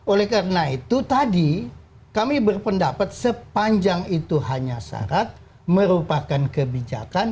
oleh karena itu tadi kami berpendapat sepanjang itu hanya syarat merupakan kebijakan